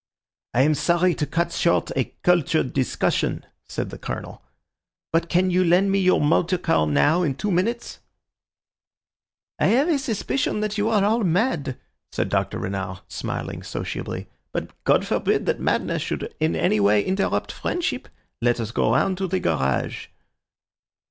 "I am sorry to cut short a cultured discussion," said the Colonel, "but can you lend me your motor car now, in two minutes?" "I have a suspicion that you are all mad," said Dr. Renard, smiling sociably; "but God forbid that madness should in any way interrupt friendship. Let us go round to the garage."